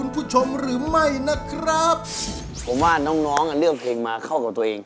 ผมว่าน้องเลือกเพลงมาเข้ากับตัวเอง